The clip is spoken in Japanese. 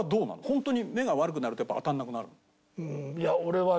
本当に目が悪くなるとやっぱ当たらなくなるの？